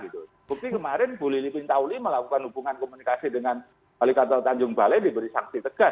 tapi kemarin buli lipin tauli melakukan hubungan komunikasi dengan balikadal tanjung balai diberi saksi tegas